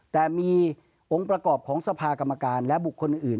แต่มีองค์ประกอบของสภากรรมการและบุคคลอื่น